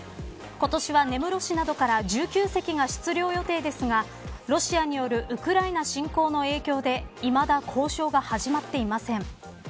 今年は根室市などから１９隻が出漁予定ですがロシアによるウクライナ侵攻の影響でいまだ交渉が始まっていません。